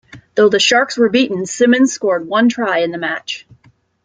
Though the Sharks were beaten, Simmons scored one try in the match.